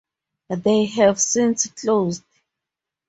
They have since closed.